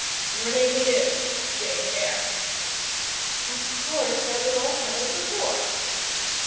Your name is Jane Eyre?" "Of course: that was all settled before."